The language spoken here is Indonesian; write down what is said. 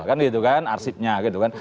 kan gitu kan arsipnya gitu kan